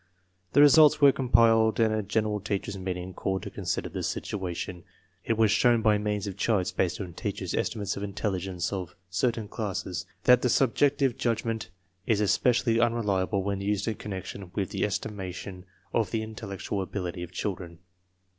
The results were compiled and a general teachers 9 meeting called to consider the situation. It was shown by means of charts based on teachers' estimates of intelligence of certain classes that the subjective judgment is espe cially unreliable when used in connection with the esti mation of the intellectual ability of children.